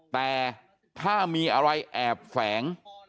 แต่ถ้ามีอะไรแอบแฝง